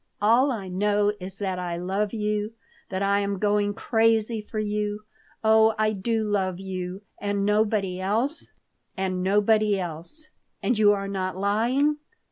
All I know is that I love you, that I am going crazy for you. Oh, I do love you." "And nobody else?" "And nobody else." "And you are not lying?"